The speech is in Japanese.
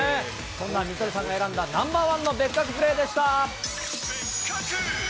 そんな水谷さんが選んだナンバー１の別格プレーでした。